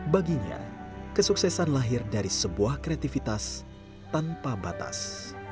baginya kesuksesan lahir dari sebuah kreativitas tanpa batas